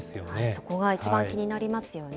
そこが一番気になりますよね。